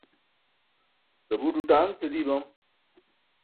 sabuur duṭaaṅce dii bam